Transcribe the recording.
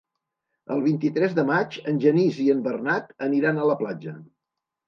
El vint-i-tres de maig en Genís i en Bernat aniran a la platja.